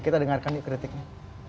kita dengarkan nih kritiknya